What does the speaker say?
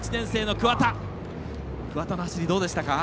桑田の走り、どうでしたか？